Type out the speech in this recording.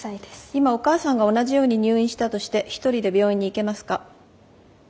今お母さんが同じように入院したとして一人で病院に行けますか？